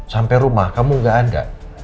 sampe rumah kamu gak ada